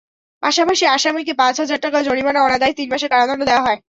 পাশাপাশি আসামিকে পাঁচ হাজার টাকা জরিমানা, অনাদায়ে তিন মাসের কারাদণ্ড দেওয়া হয়।